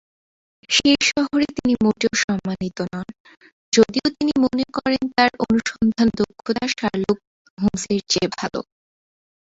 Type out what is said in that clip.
সেই শহরে তিনি মোটেও সম্মানিত নন, যদিও তিনি মনে করেন তার অনুসন্ধান দক্ষতা শার্লক হোমসের চেয়ে ভাল।